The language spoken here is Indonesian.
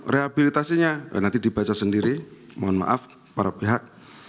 rehabilitasinya nanti dibaca sendiri mohon maaf para pihak